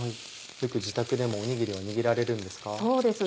よく自宅でもおにぎりを握られるんですか？